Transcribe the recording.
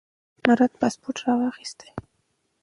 مراد پاسپورت راواخیست.